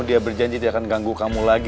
dia berjanji tidak akan ganggu kamu lagi